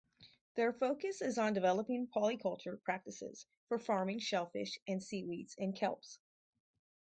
Their focus is on developing polyculture practices for farming shellfish and seaweeds and kelps.